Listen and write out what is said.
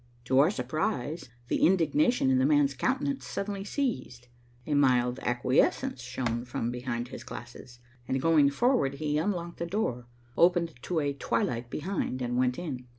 To our surprise, the indignation in the man's countenance suddenly ceased. A mild acquiescence shone from behind his glasses and, going forward, he unlocked the door, opened to a twilight behind and went in.